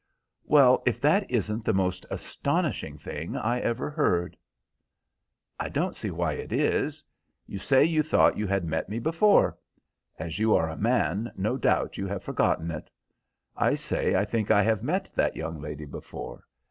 "Well, if that isn't the most astonishing thing I ever heard!" "I don't see why it is. You say you thought you had met me before. As you are a man no doubt you have forgotten it. I say I think I have met that young lady before.